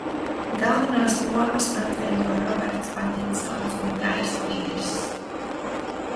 Galvenās lomas atveido Roberts Patinsons un Gajs Pīrss.